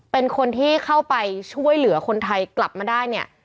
เป็นคนที่เข้าไปช่วยเหลือคนไทยกลับมาได้เนี่ย